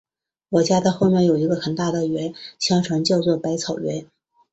我家的后面有一个很大的园，相传叫作百草园